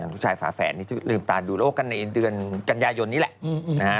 ผู้ชายฝาแฝดนี่จะลืมตาดูโลกกันในเดือนกันยายนนี่แหละ